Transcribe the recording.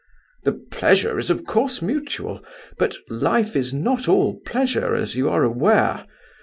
"The pleasure is, of course, mutual; but life is not all pleasure, as you are aware.